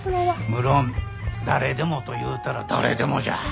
むろん「誰でも」と言うたら誰でもじゃ。